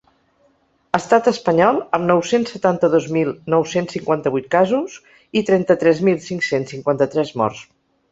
Estat espanyol, amb nou-cents setanta-dos mil nou-cents cinquanta-vuit casos i trenta-tres mil cinc-cents cinquanta-tres morts.